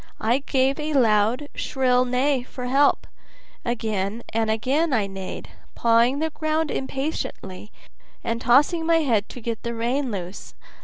I gave a loud, shrill neigh for help; again and again I neighed, pawing the ground impatiently, and tossing my head to get the rein loose.